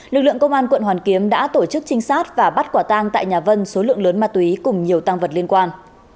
lực lượng công an quận hoàn kiếm đã tổ chức trinh sát và bắt quả tang tại nhà vân số lượng lớn ma túy cùng nhiều tăng vật liên quan